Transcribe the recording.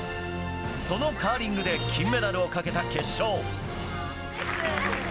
そのカーリングで金メダルをかけた決勝。